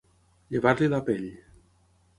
Llevar-li la pell.